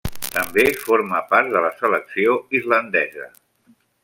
També forma part de la selecció islandesa.